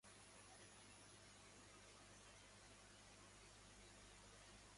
محجوریت